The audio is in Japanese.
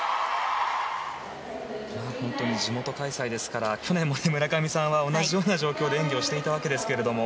地元開催ですから去年も村上さんは同じような状況で演技をしていたわけですが。